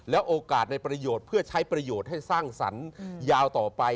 โอกาสในประโยชน์เพื่อใช้ประโยชน์ให้สร้างสรรค์ยาวต่อไป